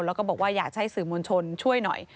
แล้วก็บอกว่าอยากให้สื่อมวลชนช่วยหน่อย